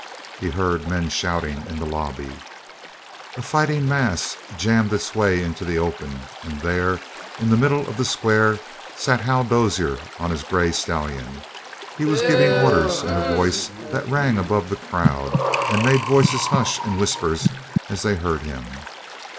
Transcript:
He heard men shouting in the lobby. A fighting mass jammed its way into the open, and there, in the middle of the square, sat Hal Dozier on his gray stallion. He was giving orders in a voice that rang above the crowd, and made voices hush in whispers as they heard him.